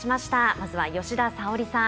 まずは吉田沙保里さん